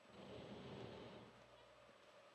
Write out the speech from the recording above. Shuleni unafaa kujikaza sana